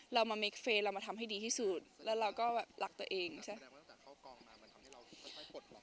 เรามาเมคเฟรนด์เรามาทำให้ดีที่สุดแล้วเราก็แบบรักตัวเองใช่ไหม